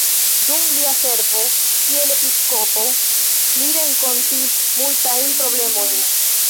Dum lia servo kiel episkopo, li renkontis multajn problemojn.